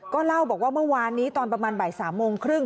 ก็เล่าบอกว่าเมื่อวานนี้ตอนประมาณบ่าย๓โมงครึ่ง